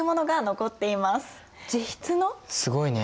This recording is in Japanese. すごいね。